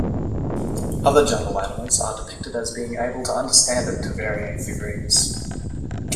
Other jungle animals are depicted as being able to understand it to varying degrees.